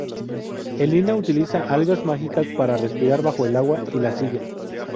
Elina utiliza algas mágicas para respirar bajo el agua y la sigue.